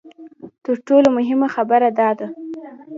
تر ټولو مهمه خبره دا ده.